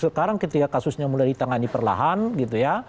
sekarang ketika kasusnya mulai ditangani perlahan gitu ya